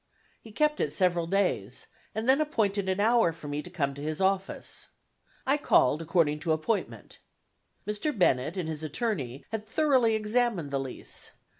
He kept it several days, and then appointed an hour for me to come to his office. I called according to appointment. Mr. Bennett and his attorney had thoroughly examined the lease.